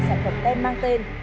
sản phẩm tem mang tên